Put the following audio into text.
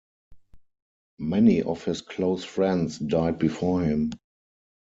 Many of his close friends died before him.